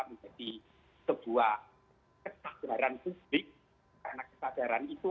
menjadi sebuah ketajaran publik karena ketajaran itu